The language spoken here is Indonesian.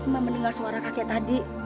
mama mendengar suara kakek tadi